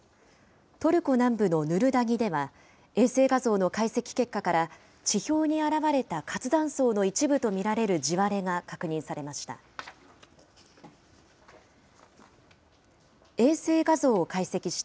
トルコ南部のヌルダギでは、衛星画像の解析結果から、地表に現れた活断層の一部と見られる地割れが確認されました。